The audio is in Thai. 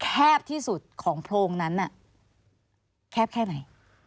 แคบที่สุดของโพรงนั้นแคบแค่ไหน